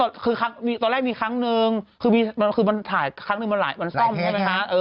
ก็คือตอนแรกมีครั้งนึงคือมันถ่ายครั้งหนึ่งมาหลายวันซ่อมใช่ไหมคะ